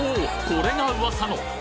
これが噂の！